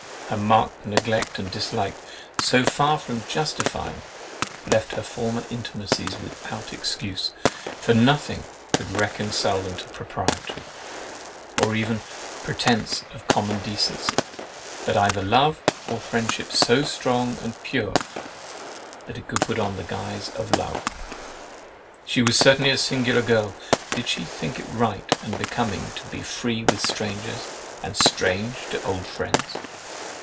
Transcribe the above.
Her marked neglect and dislike, so far from justifying, left her former intimacies without excuse; for nothing could reconcile them to propriety, or even a pretence to common decency, but either love, or friendship so strong and pure that it could put on the guise of love. She was certainly a singular girl. Did she think it right and becoming to be free with strangers, and strange to old friends?"